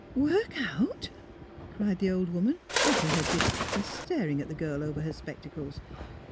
" Work out? " cried the old woman, dropping her dish cloth and staring at the girl over her spectacles.